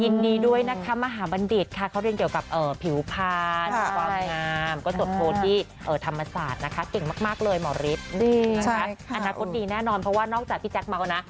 เก่งมากเลยหมอฤทธิ์อาณาคตดีแน่นอนเพราะว่านอกจากพี่แจ๊คเมานะ